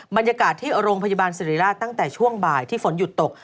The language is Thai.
บรรยากาศที่โรงพยาบาลสิริราชตั้งแต่ช่วงบ่ายที่ฝนหยุดตก